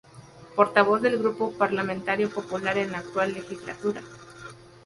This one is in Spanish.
Portavoz del Grupo Parlamentario Popular en la actual Legislatura.